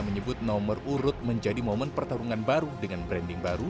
menyebut nomor urut menjadi momen pertarungan baru dengan branding baru